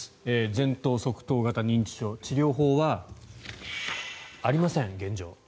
前頭側頭型認知症治療法はありません、現状。